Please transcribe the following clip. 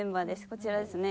こちらですね。